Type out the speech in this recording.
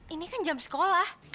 ini kan jam sekolah